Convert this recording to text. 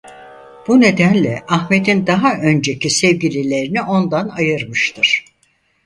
Bu nedenle Ahmet'in daha önceki sevgililerini ondan ayırmıştır.